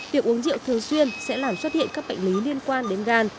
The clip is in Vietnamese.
việc uống rượu thường xuyên sẽ làm xuất hiện các bệnh lý liên quan đến gan